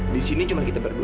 disini cuma kita berdua